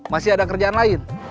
masih ada kerjaan lain